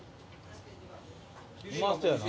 うまそうやな。